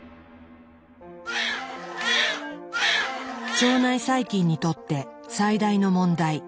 腸内細菌にとって最大の問題。